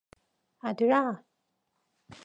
아들아!